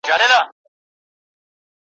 هغه د شنه ځنګله په څنډه کي سرتوره ونه